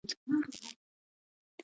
دغو کيسو يو مهم او روښانه پيغام درلود.